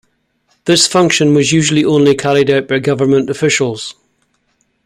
This function was usually only carried out by government officials.